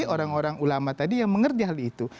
orang orang ulama tadi yang mengerti hal itu